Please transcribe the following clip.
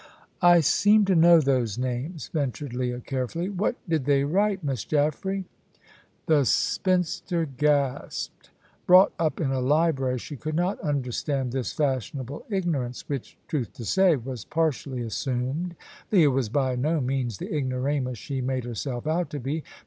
"I seem to know those names," ventured Leah, carefully. "What did they write, Miss Jaffray?" The spinster gasped. Brought up in a library, she could not understand this fashionable ignorance, which, truth to say, was partially assumed. Leah was by no means the ignoramus she made herself out to be.